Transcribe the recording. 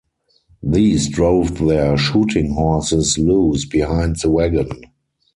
These drove their shooting-horses loose behind the wagon.